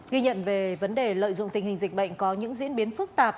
ghi nhận về vấn đề lợi dụng tình hình dịch bệnh có những diễn biến phức tạp